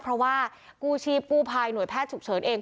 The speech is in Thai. เพราะว่ากู้ชีพกู้ภัยหน่วยแพทย์ฉุกเฉินเอง